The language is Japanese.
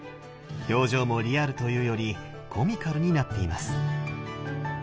表情もリアルというよりコミカルになっています。